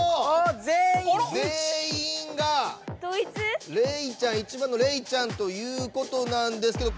ぜんいんがレイちゃん１番のレイちゃんということなんですけど。